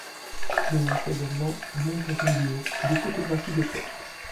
Il montre également un montage vidéo et des photographies d'époque.